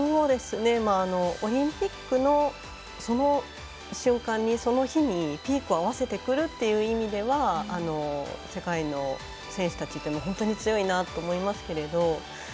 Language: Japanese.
オリンピックのその瞬間にその日に、ピークを合わせてくるって意味では世界の選手たちというのは本当に強いなと思いますけど。